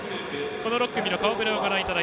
この６組の顔ぶれです。